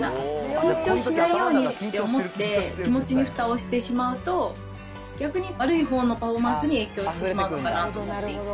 緊張しないようにって思って、気持ちにふたをしてしまうと、逆に悪いほうのパフォーマンスに影響してしまうのかなと思っていて。